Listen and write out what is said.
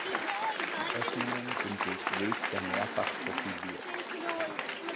Die Öffnungen sind durch Wülste mehrfach profiliert.